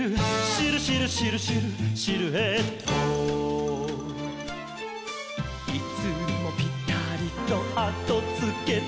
「シルシルシルシルシルエット」「いつもぴたりとあとつけてくる」